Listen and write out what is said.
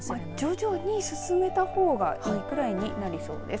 徐々に進めたほうがいいぐらいになりそうです。